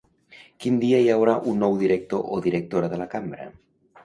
Quin dia hi haurà un nou director o directora de la Cambra?